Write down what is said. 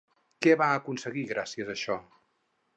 Què va aconseguir gràcies a això?